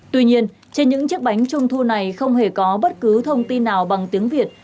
tuy nhiên trên những chiếc bánh trung thu này không hề có bất cứ thông tin nào bằng tiếng việt